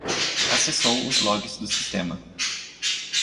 Acessou os logs do sistema.